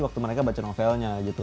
waktu mereka baca novelnya gitu